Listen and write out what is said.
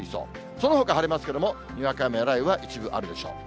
そのほか、晴れますけども、にわか雨や雷雨が一部あるでしょう。